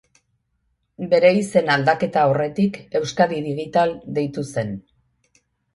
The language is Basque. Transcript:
Bere izen-aldaketa aurretik Euskadi Digital deitu zen.